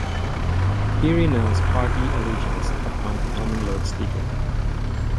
He renounced party allegiance upon becoming Lord Speaker.